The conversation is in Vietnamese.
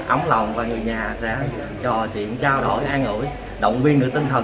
ấm lòng và người nhà sẽ trò chuyện trao đổi an ngữ động viên được tinh thần